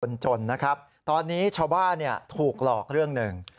คนจนนะครับตอนนี้ชาวบ้านเนี่ยถูกหลอกเรื่อง๑